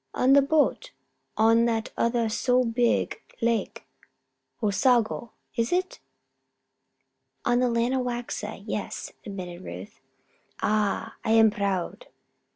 "On the boat on that other so beeg lake Osago, is it?" "On the Lanawaxa yes," admitted Ruth. "Ah! I am proud.